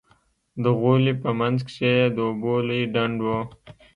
د غولي په منځ کښې يې د اوبو لوى ډنډ و.